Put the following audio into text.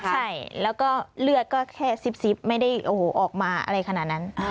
ใช่แล้วก็เลือดก็แค่ซิบไม่ได้ออกมาอะไรขนาดนั้น